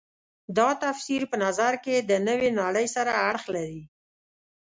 دا تفسیر په نظر کې د نوې نړۍ سره اړخ لري.